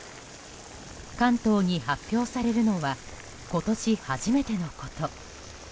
関東に発表されるのは今年初めてのこと。